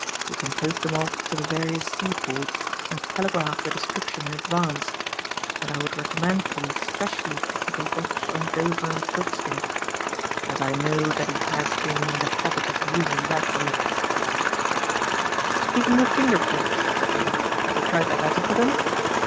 You can post them off to the various sea ports and telegraph the description in advance; and I would recommend you especially to keep a watch on Dover and Folkestone, as I know that he has been in the habit of using that route." "Speaking of finger prints," said Miller, "have you tried that letter for them?"